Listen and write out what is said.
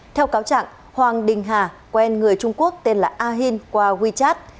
theo cáo trạng hoàng đình hà quen người trung quốc tên là ahin qua wechat